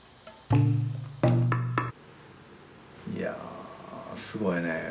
いやすごいね。